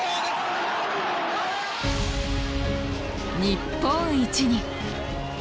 日本一に。